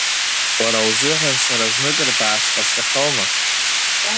Уара узыҳәан сара зныкыр бааԥс ҟасҵахьоума?!